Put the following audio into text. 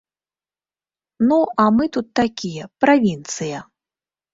Ну, а мы тут такія, правінцыя.